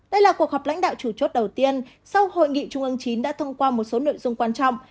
đây là cuộc họp lãnh đạo chủ chốt đầu tiên sau hội nghị trung ương chín đã thông qua một số nội dung quan trọng